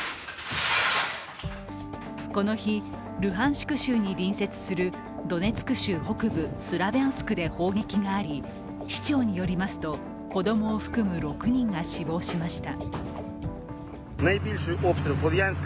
この日、ルハンシク州に隣接するドネツク州北部スラビャンスクで砲撃があり、市長によりますと子供を含む６人が死亡しました。